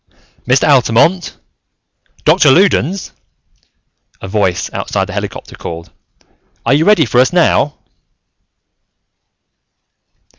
"Mr. Altamont! Doctor Loudons!" a voice outside the helicopter called. "Are you ready for us now?"